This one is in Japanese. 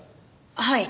はい。